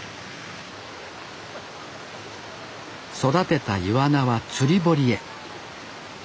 育てたイワナは釣堀へ。